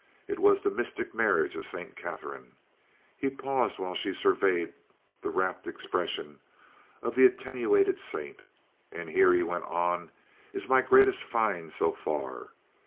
It was "The Mystic Marriage of St. Catharine." He paused while she surveyed the rapt expression of the attenuated saint. "And here," he went on, "is my greatest find so far."